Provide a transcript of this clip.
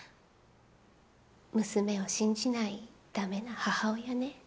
娘を信じない駄目な母親ね。